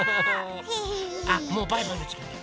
あもうバイバイのじかんだ！